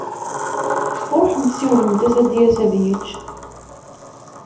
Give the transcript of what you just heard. Ṛuḥemt, siwlemt-as ad d-yas ad yečč.